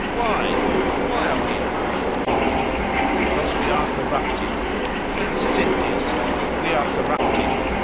—Why? why are we a ruined people?—Because we are corrupted.—Whence is it, dear Sir, that we are corrupted?